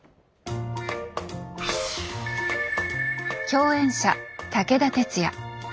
共演者武田鉄矢。